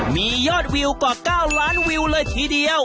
มียอดวิวกว่า๙ล้านวิวเลยทีเดียว